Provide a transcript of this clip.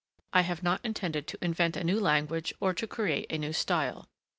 I have not intended to invent a new language or to create a new style.